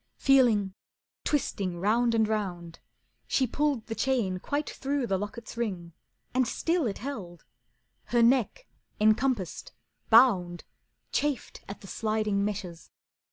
Feeling, twisting, round and round, She pulled the chain quite through the locket's ring And still it held. Her neck, encompassed, bound, Chafed at the sliding meshes.